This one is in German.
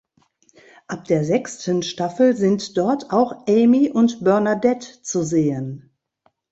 Ab der sechsten Staffel sind dort auch Amy und Bernadette zu sehen.